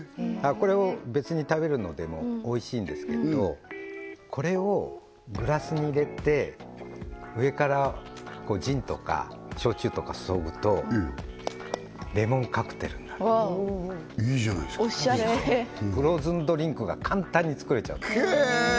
これを別に食べるのでもおいしいんですけれどこれをグラスに入れて上からジンとか焼酎とか注ぐとレモンカクテルになるいいじゃないっすかおっしゃれフローズンドリンクが簡単に作れちゃうんです